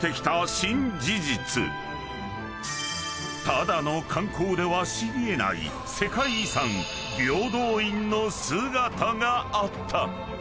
［ただの観光では知り得ない世界遺産平等院の姿があった］